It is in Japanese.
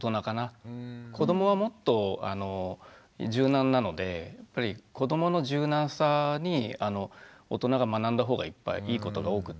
子どもはもっと柔軟なので子どもの柔軟さに大人が学んだほうがいっぱいいいことが多くて。